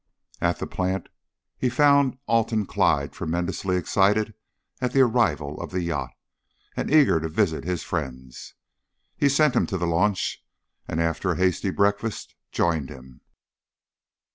At the plant he found Alton Clyde tremendously excited at the arrival of the yacht, and eager to visit his friends. He sent him to the launch, and, after a hasty breakfast, joined him.